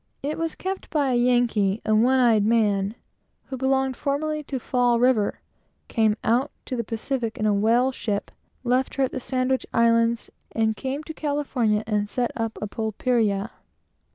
It was kept by a yankee, a one eyed man, who belonged formerly to Fall River, came out to the Pacific in a whale ship, left her at the Sandwich Islands, and came to California and set up a "Pulperia."